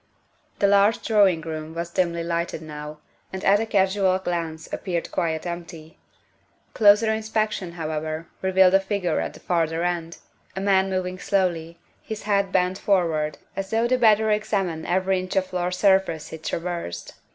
The large drawing room was dimly lighted now, and at a casual glance appeared quite empty. Closer inspec tion, however, revealed a figure at the farther end a man moving slowly, his head bent forward as though to better examine every inch of floor surface he tra versed.